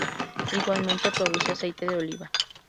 Igualmente produce aceite de oliva.